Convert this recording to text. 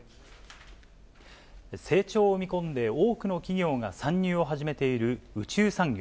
成長を見込んで、多くの企業が参入を始めている宇宙産業。